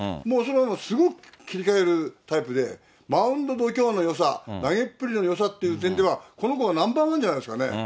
もうすごく切り替えるタイプで、マウンド度胸のよさ、投げっぷりのよさという点では、この子がナンバーワンじゃないですかね。